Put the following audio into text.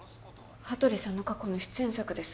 羽鳥さんの過去の出演作です